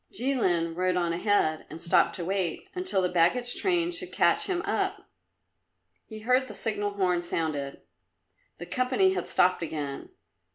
Jilin rode on ahead and stopped to wait until the baggage train should catch him up. He heard the signal horn sounded; the company had stopped again.